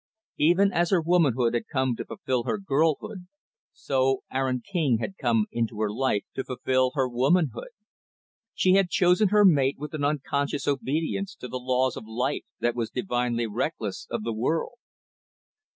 Even as her womanhood had come to fulfill her girlhood, so Aaron King had come into her life to fulfill her womanhood. She had chosen her mate with an unconscious obedience to the laws of life that was divinely reckless of the world.